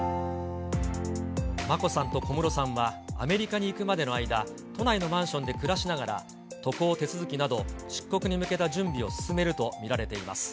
眞子さんと小室さんは、アメリカに行くまでの間都内のマンションで暮らしながら、渡航手続きなど出国に向けた準備を進めると見られています。